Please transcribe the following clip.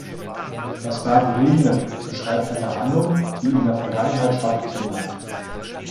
Das Verb "regnen" beschreibt eine Handlung, die in der Vergangenheit stattgefunden hat.